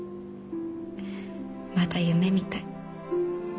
まだ夢みたい。